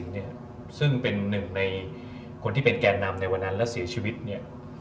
เนี่ยซึ่งเป็นหนึ่งในคนที่เป็นแก่นำในวันนั้นแล้วเสียชีวิตเนี่ย